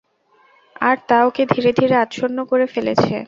আর তা ওকে ধীরে ধীরে আচ্ছন্ন করে ফেলেছে।